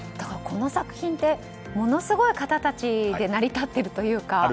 だからこの作品ってものすごい方たちで成り立っているというか。